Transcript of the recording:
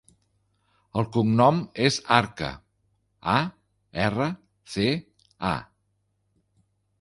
El cognom és Arca: a, erra, ce, a.